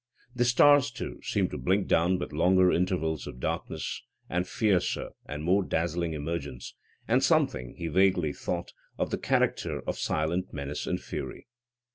The stars, too, seemed to blink down with longer intervals of darkness, and fiercer and more dazzling emergence, and something, he vaguely thought, of the character of silent menace and fury.